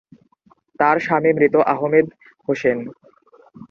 তার স্বামী মৃত আহমেদ হোসেন।